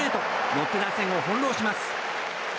ロッテ打線を翻弄します。